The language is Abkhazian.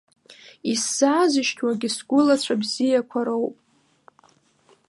Исзаазышьҭуагьы сгәылацәа бзиақәа роуп.